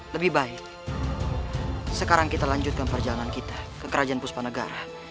lebih baik sekarang kita lanjutkan perjalanan kita ke kerajaan puspanegara